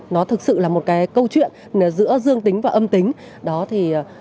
nó thực sự là một câu chuyện giữa dương tính và âm tính